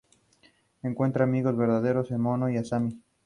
Encuentra amigos verdaderos en Momo y Asami.